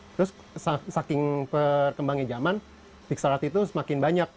terus saking perkembangnya jaman pixel art itu semakin banyak